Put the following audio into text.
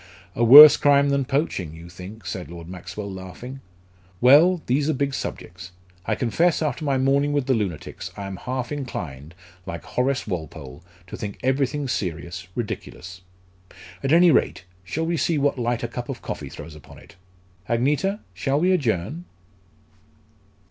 "A worse crime than poaching, you think," said Lord Maxwell, laughing. "Well, these are big subjects. I confess, after my morning with the lunatics, I am half inclined, like Horace Walpole, to think everything serious ridiculous. At any rate shall we see what light a cup of coffee throws upon it? Agneta, shall we adjourn?"